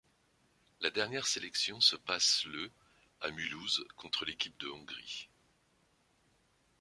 La dernière sélection se passe le à Mulhouse contre l'Équipe de Hongrie.